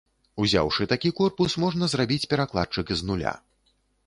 Узяўшы такі корпус, можна зрабіць перакладчык з нуля.